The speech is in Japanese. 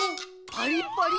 パリッパリ。